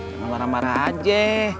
jangan marah marah aja